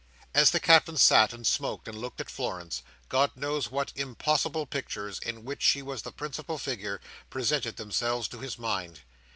As the Captain sat, and smoked, and looked at Florence, God knows what impossible pictures, in which she was the principal figure, presented themselves to his mind.